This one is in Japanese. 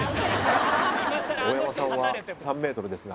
大山さんは３ｍですが。